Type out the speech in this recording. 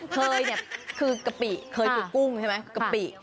เคยเนี่ยคือกะปิเคยคือกุ้งใช่ไหมกะปิ